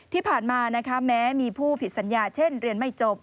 ที่ผ่านมานะคะแม้มีผู้ผิดสัญญาเช่นเรียนไม่จบ